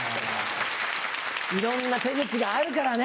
いろんな手口があるからね